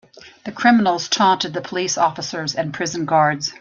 The criminals taunted the police officers and prison guards.